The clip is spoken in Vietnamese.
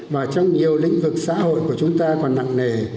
và trong nhiều lĩnh vực xã hội của chúng ta còn nặng nề